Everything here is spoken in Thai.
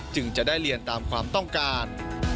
จึงจะได้เรียนตามความต้องการ